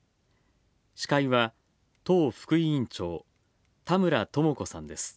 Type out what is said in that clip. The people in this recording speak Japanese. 司会は、党副委員長田村智子さんです。